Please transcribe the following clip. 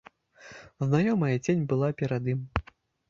Знаёмая цень была перад ім.